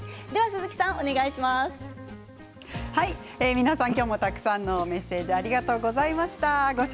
皆さん今日もたくさんのメッセージありがとうございました。